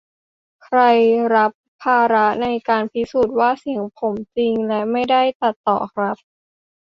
ใครรับภาระในการพิสูจน์ว่าเสียงผมจริงและไม่ได้ตัดต่อครับ